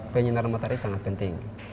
penyinaran materi sangat penting